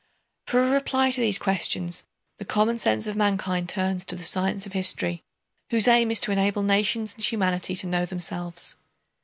For a reply to these questions the common sense of mankind turns to the science of history, whose aim is to enable nations and humanity to know themselves.